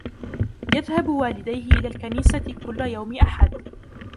يذهب والديه إلى الكنيسة كل يوم أحد.